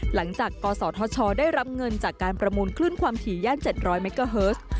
หลังจากกศธชได้รับเงินจากการประมูลคลื่นความถี่ย่าน๗๐๐เมกาเฮิร์ส